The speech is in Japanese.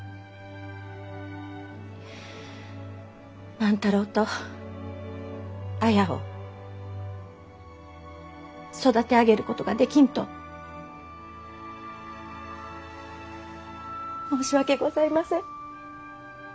万太郎と綾を育て上げることができんと申し訳ございません。